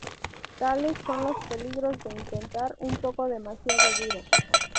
Tales son los peligros de intentar un poco demasiado duro".